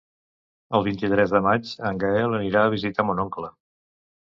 El vint-i-tres de maig en Gaël anirà a visitar mon oncle.